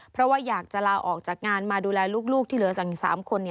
เพราะว่าอยากจะลาออกจากงานมาดูแลลูกที่เหลือจากอีก๓คน